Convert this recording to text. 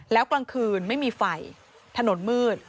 แล้วกลางคืนไม่มีไฟถนนมืด